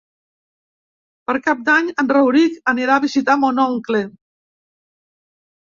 Per Cap d'Any en Rauric anirà a visitar mon oncle.